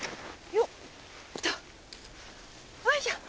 よいしょ。